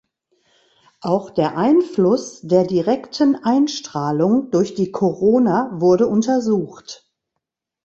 Auch der Einfluss der direkten Einstrahlung durch die Korona wurde untersucht.